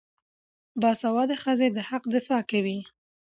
باسواده ښځې د حق دفاع کوي.